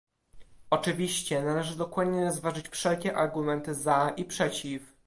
Oczywiście, należy dokładnie rozważyć wszelkie argumenty za i przeciw